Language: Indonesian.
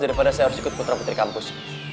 daripada saya harus ikut putra putri kampus